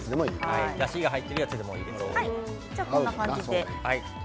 だしが入っているやつでもいいです。